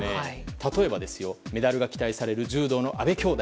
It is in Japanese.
例えば、メダルが期待される柔道の阿部兄妹。